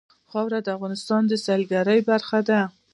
خاوره د افغانستان د سیلګرۍ برخه ده.